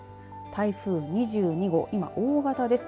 台風２２号、今、大型です。